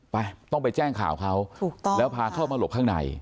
ไปต้องไปแจ้งข่าวเขาถูกต้องแล้วพาเข้ามาหลบข้างใน